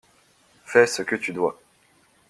Fais ce que tu dois